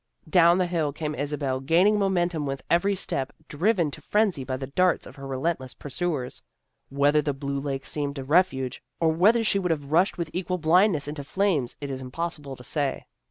Down the hill came Isabel, gaining momen tum with every step, driven to frenzy by the darts of her relentless pursuers. Whether the blue lake seemed a refuge, or whether she would 328 THE GIRLS OF FRIENDLY TERRACE have rushed with equal blindness into flames, it is impossible to say.